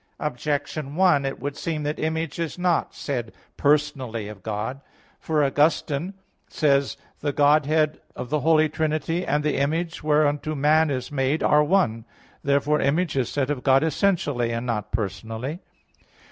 Objection 1: It would seem that image is not said personally of God. For Augustine (Fulgentius, De Fide ad Petrum i) says, "The Godhead of the Holy Trinity and the Image whereunto man is made are one." Therefore Image is said of God essentially, and not personally.